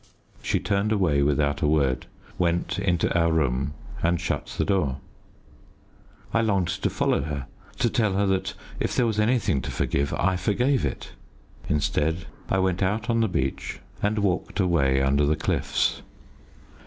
She turned away without a word, went into our room, and shut the door. I longed to follow her, to tell her that if there was anything to forgive I forgave it. Instead, I went out on the beach, and walked away under the cliffs.